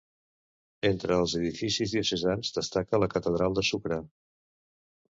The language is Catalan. Entre els edificis diocesans destaca la catedral de Sucre.